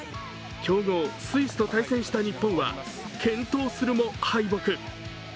強豪・スイスと対戦した日本は健闘するも敗北。